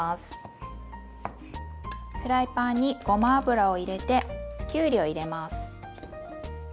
フライパンにごま油を入れてきゅうりを入れます。